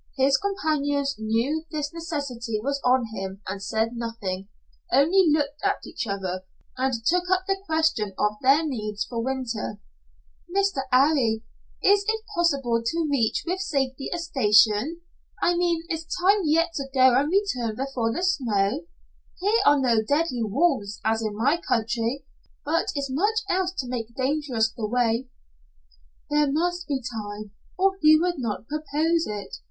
His companions knew this necessity was on him, and said nothing only looked at each other, and took up the question of their needs for the winter. "Mr. 'Arry, is it possible to reach with safety a station? I mean is time yet to go and return before the snows? Here are no deadly wolves as in my own country but is much else to make dangerous the way." "There must be time or he would not propose it.